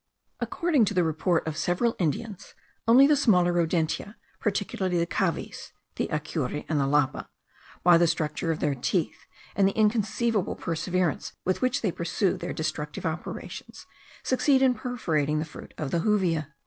According to the report of several Indians, only the smaller rodentia, particularly the cavies (the acuri and the lapa), by the structure of their teeth, and the inconceivable perseverance with which they pursue their destructive operations, succeed in perforating the fruit of the juvia.